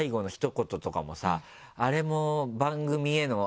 あれも。